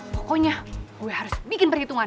pokoknya gue harus bikin perhitungan